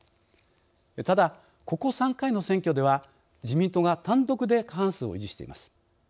ただここ３回の選挙では自民党が単独で過半数を維持しています。